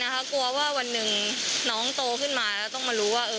กลัวว่าวันหนึ่งน้องโตขึ้นมาแล้วต้องมารู้ว่า